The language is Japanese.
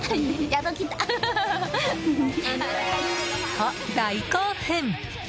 と、大興奮。